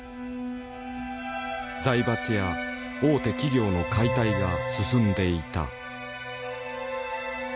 財閥や大手企業の解体が進んでいた。